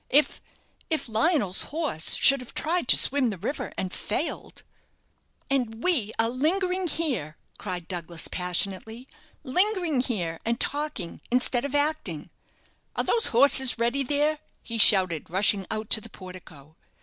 If if Lionel's horse should have tried to swim the river and failed " "And we are lingering here!" cried Douglas, passionately; "lingering here and talking, instead of acting! Are those horses ready there?" he shouted, rushing out to the portico.